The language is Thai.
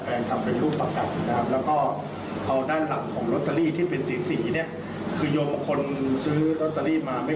แต่ไม่เคยได้ศึกษาว่ามันมีความหมายอย่างไร